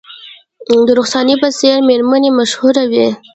د رخسانې په څیر میرمنې مشهورې وې